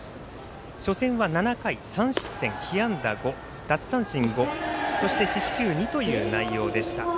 初戦は７回３失点、被安打５奪三振５そして四死球２という内容でした。